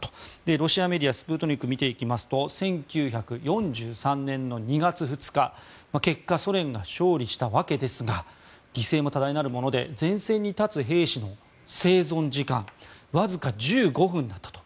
ロシアメディアスプートニクを見ていきますと１９４３年の２月２日結果、ソ連が勝利したわけですが犠牲も多大なるもので前線に立つ兵士の生存時間わずか１５分だったと。